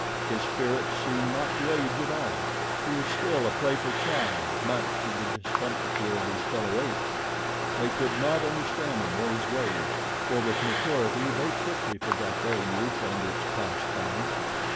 His spirits seemed not to age at all he was still a playful child, much to the discomfiture of his fellow apes. They could not understand him or his ways, for with maturity they quickly forgot their youth and its pastimes.